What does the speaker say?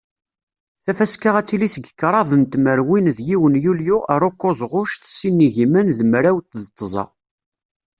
Tafaska ad tili seg kraḍ n tmerwin d yiwen yulyu ar ukuẓ ɣuct sin n wagimen d mraw d tẓa.